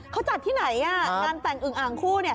เขาจัดที่ไหนงานแต่งอึงอ่างคู่